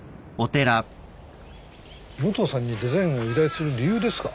武藤さんにデザインを依頼する理由ですか？